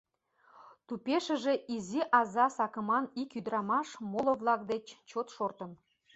Тупешыже изи аза сакыман ик ӱдырамаш моло-влак деч чот шортын.